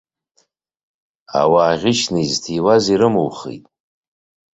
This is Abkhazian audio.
Ауаа ӷьычны изҭиуаз ирымухит.